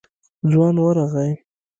ځوان ورغی.